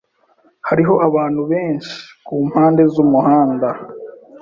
Hariho abantu benshi kumpande zumuhanda.